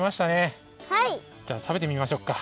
じゃあたべてみましょうか。